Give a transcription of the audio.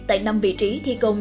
tại năm vị trí thi công